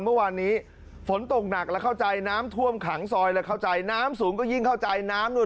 เมื่อวานนี้ฝนตกหนักแล้วเข้าใจน้ำท่วมขังซอยแล้วเข้าใจน้ำสูงก็ยิ่งเข้าใจน้ำนู่น